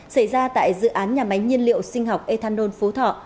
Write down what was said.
xảy ra tại dự án nhà máy nhiên liệu sinh học ethanol phú thọ